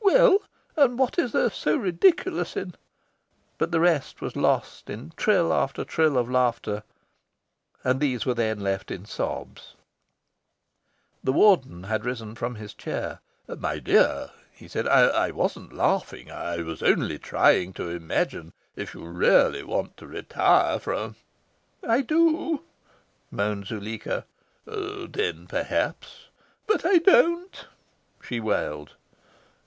"Well? and what is there so so ridiculous in" but the rest was lost in trill after trill of laughter; and these were then lost in sobs. The Warden had risen from his chair. "My dear," he said, "I wasn't laughing. I was only trying to imagine. If you really want to retire from " "I do," moaned Zuleika. "Then perhaps " "But I don't," she wailed.